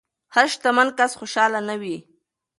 هر شتمن کس خوشحال نه وي.